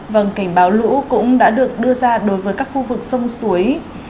vâng cảnh báo lũ cũng đã được đưa ra đối với các khu vực sông suối